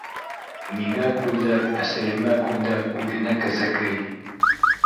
— Миңә күлдәк, әсәйемә күлдәк, үҙенә кәзәкей...